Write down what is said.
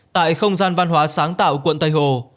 tại không gian văn hóa sáng tạo quận tây hồ